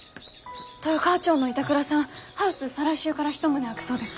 豊川町の板倉さんハウス再来週から１棟空くそうです。